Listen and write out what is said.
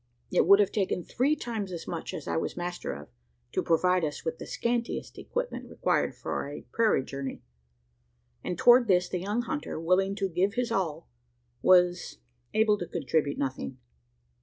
It would have taken three times as much as I was master of, to provide us with the scantiest equipment required for a prairie journey; and toward this the young hunter, willing to give his all, was able to contribute nothing.